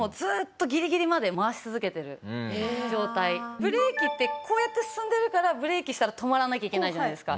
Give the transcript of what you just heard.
ブレーキってこうやって進んでるからブレーキしたら止まらなきゃいけないじゃないですか。